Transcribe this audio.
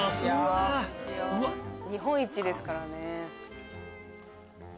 日本一ですからね。